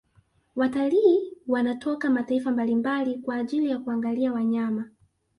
Watalii wanatoka mataifa mbalimbali kwa ajili ya kuangalia wanyama